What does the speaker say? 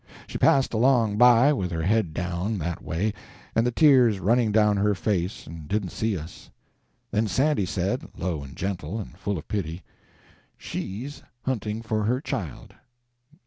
She passed along by, with her head down, that way, and the tears running down her face, and didn't see us. Then Sandy said, low and gentle, and full of pity: "She's hunting for her child!